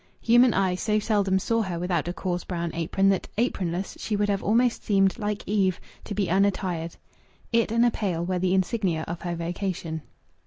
Human eye so seldom saw her without a coarse brown apron that, apronless, she would have almost seemed (like Eve) to be unattired. It and a pail were the insignia of her vocation.